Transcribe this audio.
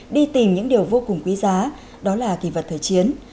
đi tìm những điều vô cùng quý giá đó là kỳ vật thời chiến